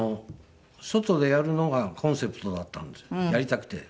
外でやるのがコンセプトだったんですよやりたくて。